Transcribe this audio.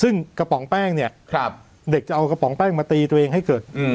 ซึ่งกระป๋องแป้งเนี่ยเด็กจะเอากระป๋องแป้งมาตีตัวเองให้เกิด